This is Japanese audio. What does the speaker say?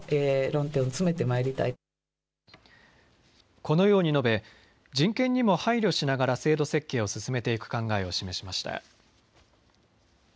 このように述べ人権にも配慮しながら制度設計を進めていく考えを示しました。